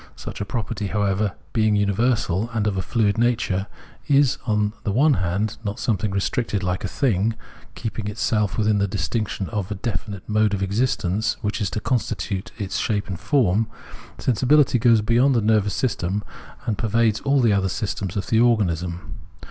Such a property, however, being universal and of a fluid nature, is, on the one hand, not something restricted like a thing, keeping itself within the distinction of a definite mode of existence, which is to constitute its shape and form : sensibihty goes beyond the nervous system and pervades all the other systems of the organism.